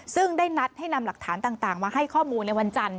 ซึ่งได้นัดให้นำหลักฐานต่างมาให้ข้อมูลในวันจันทร์